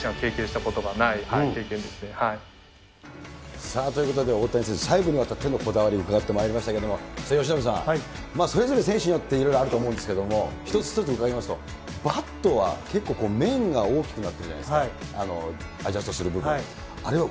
僕自身、さあ、ということで、大谷選手、細部にわたってこだわりを伺ってまいりましたけれども、由伸さん、それぞれ選手によっていろいろあると思うんですけれども、一つ一つ伺いますと、バットは結構、面が大きくなってるじゃないですか、アジャストする部分が。